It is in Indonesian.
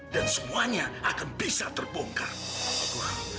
dan semuanya akan bisa terbongkar